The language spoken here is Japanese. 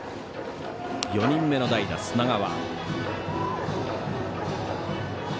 ４人目の代打、砂川。